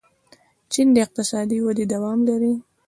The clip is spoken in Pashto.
چین اقتصادي وده دوام لري.